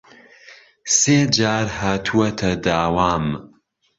سێ جار هاتووەتە داوام